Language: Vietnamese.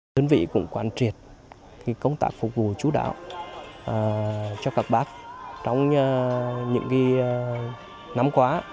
đơn vị cũng quan triệt công tác phục vụ chú đạo cho các bác trong những năm qua